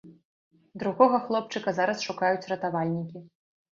Другога хлопчыка зараз шукаюць ратавальнікі.